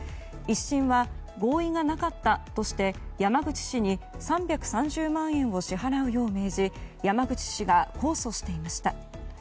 １審は合意がなかったとして山口氏に３３０万円を支払うように命じ山口氏が控訴していました。